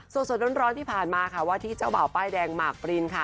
สดร้อนที่ผ่านมาค่ะว่าที่เจ้าบ่าวป้ายแดงหมากปรินค่ะ